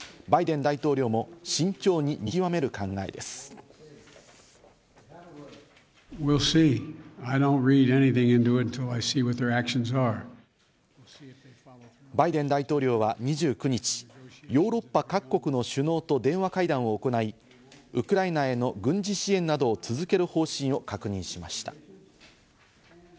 バイデン大統領は２９日、ヨーロッパ各国の首脳と電話会談を行い、ウクライナへの軍事支援などを続ける方針を確認しました。